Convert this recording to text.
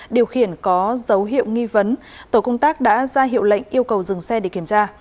điều khiển có dấu hiệu nghi vấn tổ công tác đã ra hiệu lệnh yêu cầu dừng xe để kiểm tra